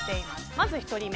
まず１人目。